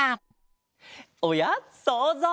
おやそうぞう。